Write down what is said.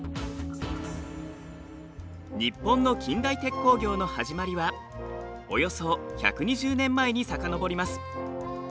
日本の近代鉄鋼業の始まりはおよそ１２０年前にさかのぼります。